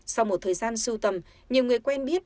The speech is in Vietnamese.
sau một thời gian sưu tầm nhiều người quen biết